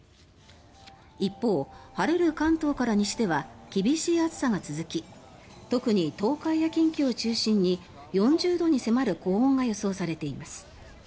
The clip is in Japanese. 一方、晴れる関東から西では厳しい暑さが続き特に、東海や近畿を中心に４０度に迫る高温が予想されています。